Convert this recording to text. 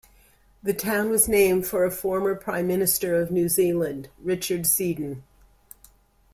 The town was named for a former Prime Minister of New Zealand, Richard Seddon.